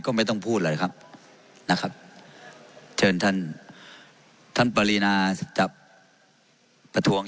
ก็ไม่ต้องพูดเลยครับนะครับเชิญท่านท่านปรินาจับประท้วง